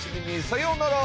さようなら！